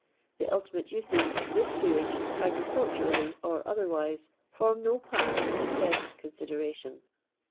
The ultimate uses of this sewage, agriculturally or otherwise, form no part of the present consideration.